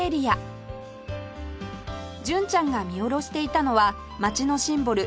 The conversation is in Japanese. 純ちゃんが見下ろしていたのは街のシンボル